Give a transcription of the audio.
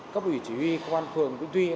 cấp ủy chỉ huy công an phường vĩnh tuyên